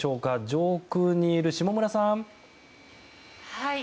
上空にいる、下村さん。